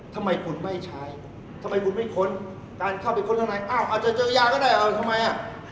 ทำไมคุณไม่ใช้ทำไมคุณไม่ค้นการเข้าไปค้นข้างในอ้าวอาจจะเจอยาก็ได้ทำไมอ่ะ